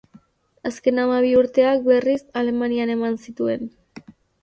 Azken hamabi urteak, berriz, Alemanian eman zituen.